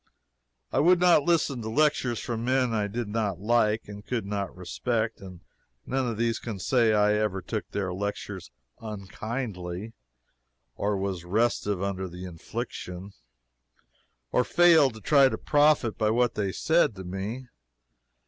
I would not listen to lectures from men I did not like and could not respect; and none of these can say I ever took their lectures unkindly, or was restive under the infliction, or failed to try to profit by what they said to me.